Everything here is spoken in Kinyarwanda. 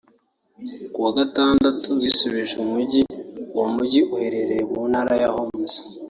kuwa gatandatu bisubije umujyi uwo mujyi uherereye mu ntara ya Homs